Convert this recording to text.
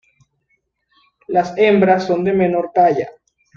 Las hembras son de menor talla.